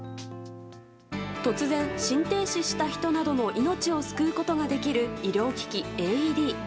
突然、心停止した人などの命を救うことができる医療機器ＡＥＤ。